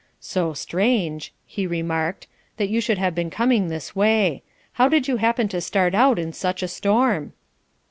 "So strange," he remarked, "that you should have been coming this way. How did you happen to start out in such a storm?"